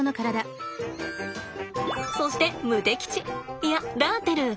そしてムテ吉いやラーテル。